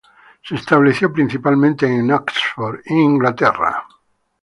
Se estableció principalmente en Oxford, Inglaterra.